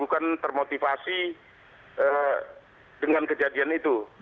bukan termotivasi dengan kejadian itu